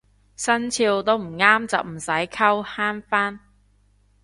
生肖都唔啱就唔使溝慳返